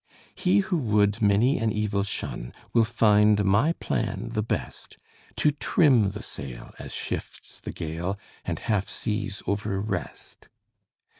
He who would many an evil shun Will find my plan the best To trim the sail as shifts the gale, And half seas over rest.